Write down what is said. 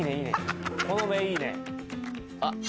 っこの目いいね